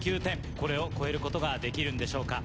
これを超えることができるんでしょうか？